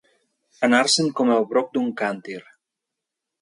Anar-se'n com el broc d'un càntir.